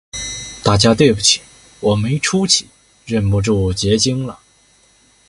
大家对不起，我没出息，忍不住结晶了